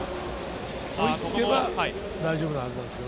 追いつけば大丈夫なはずです。